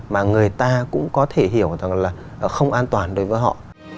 mà người ta cũng có thể hiểu rằng là không an toàn đối với họ